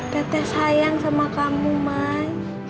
teteh sayang sama kamu main